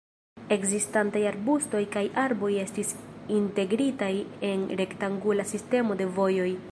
Ekzistantaj arbustoj kaj arboj estis integritaj en rektangula sistemo de vojoj.